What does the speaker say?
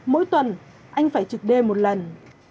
mỗi tuần anh phải trực đêm một lần